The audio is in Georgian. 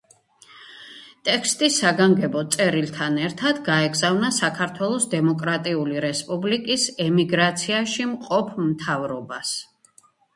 ტექსტი საგანგებო წერილთან ერთად გაეგზავნა საქართველოს დემოკრატიული რესპუბლიკის ემიგრაციაში მყოფ მთავრობას.